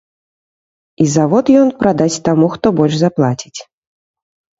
І завод ён прадасць таму, хто больш заплаціць.